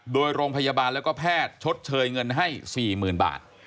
โดยโรงพยาบาลและแพทย์ชดเชยเงินให้๔หมื่นบาท